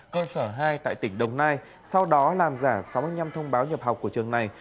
cơ sở hai tại tỉnh đồng nai sau đó làm giả sáu mươi năm thông báo nhập học của trường này